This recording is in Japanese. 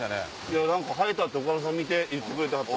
何か生えたって岡村さん見て言ってくれてはった。